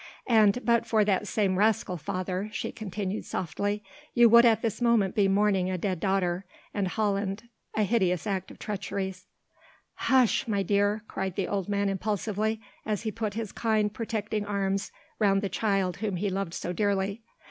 "And but for that same rascal, father," she continued softly, "you would at this moment be mourning a dead daughter and Holland a hideous act of treachery." "Hush, my dear!" cried the old man impulsively, as he put his kind protecting arms round the child whom he loved so dearly.